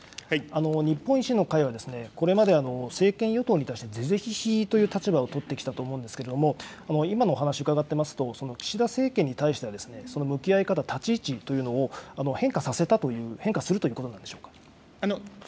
日本維新の会は、これまで政権与党に対して、是々非々という立場を取ってきたと思うんですけれども、今のお話伺ってますと、岸田政権に対しては、向き合い方、立ち位置というのを変化させたという、変化するといそうではないんです。